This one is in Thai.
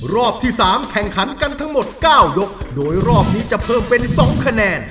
รอบที่๓แข่งขันกันทั้งหมด๙ยกโดยรอบนี้จะเพิ่มเป็น๒คะแนน